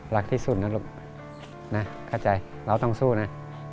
รักที่สุดนะลูกเราต้องสู้นะ